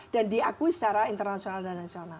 dan diakui secara internasional dan nasional